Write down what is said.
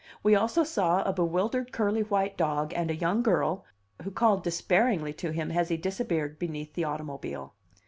We also saw a bewildered curly white dog and a young girl, who called despairingly to him as he disappeared beneath the automobile.